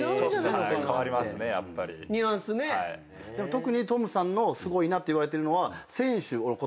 特にトムさんのすごいなっていわれてるのは。